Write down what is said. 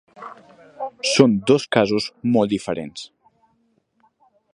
Són dos casos molt diferents.